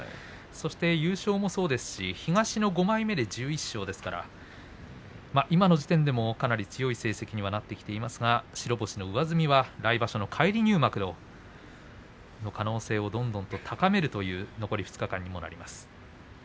優勝もそうですし東の５枚目で１１勝ですから今の時点でも、かなり強い成績にはなってきていますから白星の上積みは来場所の返り入幕の可能性をどんどん高める残り２日間にもなります。